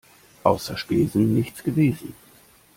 Außer Spesen nichts gewesen.